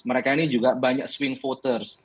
mereka ini juga banyak swing voters